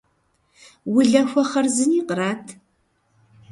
Улахуэ хъарзыни кърат.